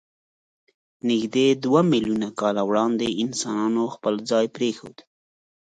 نږدې دوه میلیونه کاله وړاندې انسانانو خپل ځای پرېښود.